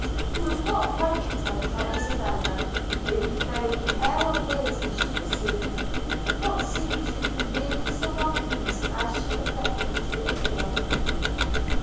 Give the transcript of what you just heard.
He was not quite content about Isabella, who, through the air of gaiety she assumed, did not seem to be really so well pleased as she affected to appear.